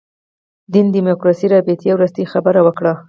دین دیموکراسي رابطې وروستۍ خبره وکړي.